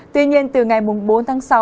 tuy nhiên từ ngày bốn tháng sáu